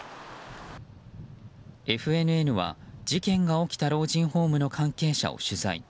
ＦＮＮは事件が起きた老人ホームの関係者を取材。